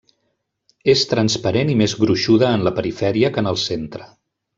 És transparent i més gruixuda en la perifèria que en el centre.